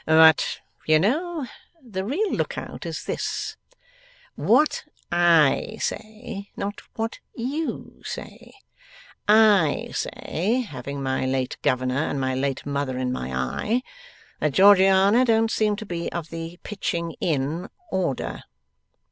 'But you know, the real look out is this: what I say, not what you say. I say having my late governor and my late mother in my eye that Georgiana don't seem to be of the pitching in order.